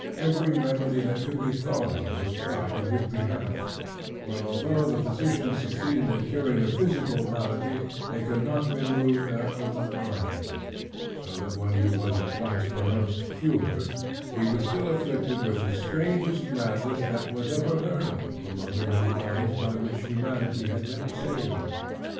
Every remedy that could be thought of was tried in his behalf; but although the physicians succeeded in curing the physical malady, they could not remove that of the mind; so that when he was at last pronounced cured, he was still afflicted with the strangest madness that was ever heard of among the many kinds by which humanity has been assailed.